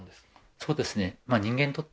そうですね